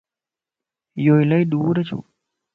يو الائي ڏور ڇو؟